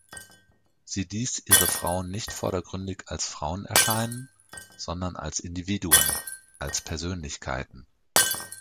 Sie ließ ihre Frauen nicht vordergründig als Frauen erscheinen, sondern als Individuen, als Persönlichkeiten.